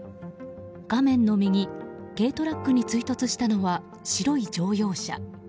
画面の右、軽トラックに追突したのは白い乗用車。